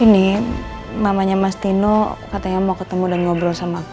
ini namanya mas tino katanya mau ketemu dan ngobrol sama aku